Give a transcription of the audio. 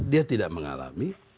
dia tidak mengalami